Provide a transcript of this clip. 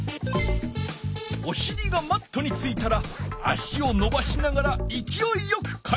おしりがマットについたら足をのばしながらいきおいよく回転する。